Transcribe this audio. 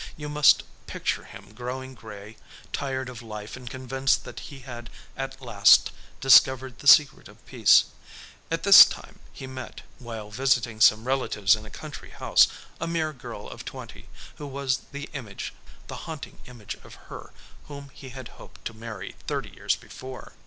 You must picture him growing gray, tired of life and convinced that he had at last discovered the secret of peace. At this time he met, while visiting some relatives in a country house, a mere girl of twenty, who was the image, the haunting image of her whom he had hoped to marry thirty years before.